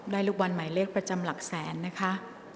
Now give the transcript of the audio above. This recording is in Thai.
ลูกบอลหมายเลขประจำหลักแสนนะคะ